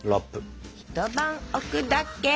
一晩置くだけ。